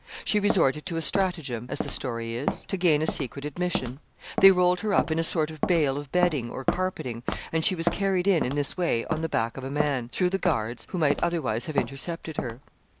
She resorted to a stratagem, as the story is, to gain a secret admission. They rolled her up in a sort of bale of bedding or carpeting, and she was carried in in this way on the back of a man, through the guards, who might otherwise have intercepted her.